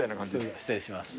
失礼します。